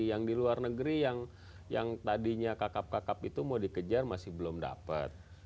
yang di luar negeri yang tadinya kakap kakap itu mau dikejar masih belum dapat